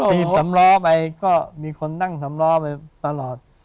ตีบสำล้อไปก็มีคนนั่งสำล้อไปตลอด